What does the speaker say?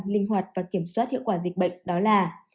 linh hoạt và kiểm soát hiệu quả dịch bệnh đó là